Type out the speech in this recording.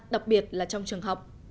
đặc biệt là trong trường học